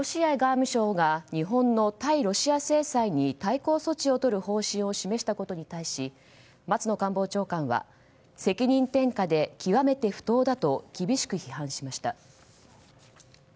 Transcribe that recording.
ロシア外務省が日本の対ロシア制裁に対抗措置をとる方針を示したことに対し松野官房長官は責任転嫁で極めて不当だと厳しく批判しました。